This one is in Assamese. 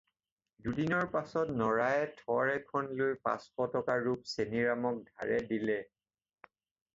দুদিনৰ পাচত নৰায়ে থত এখন লৈ পাঁচশ টকা ৰূপ চোনিৰামক ধাৰে দিলে।